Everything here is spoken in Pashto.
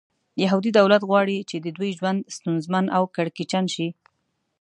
یهودي دولت غواړي چې د دوی ژوند ستونزمن او کړکېچن شي.